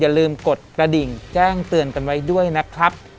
อย่าลืมกดกระดิ่งแจ้งเตือนกันไว้ด้วยนะครับ